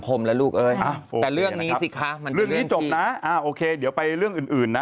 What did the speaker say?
โอเคเดี๋ยวไปเรื่องอื่นนะ